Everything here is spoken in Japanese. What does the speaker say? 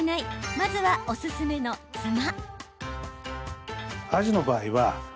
まずは、おすすめのつま。